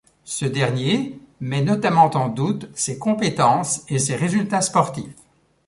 Ce dernier met notamment en doute ses compétences et ses résultats sportifs.